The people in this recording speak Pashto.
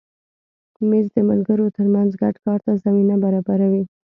مېز د ملګرو تر منځ ګډ کار ته زمینه برابروي.